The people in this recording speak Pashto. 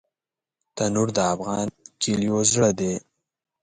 تنور د افغان کلیو زړه دی